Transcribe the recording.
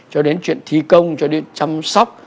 cho đến chuyện thi công cho đến chăm sóc